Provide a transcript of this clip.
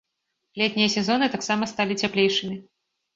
Летнія сезоны таксама сталі цяплейшымі.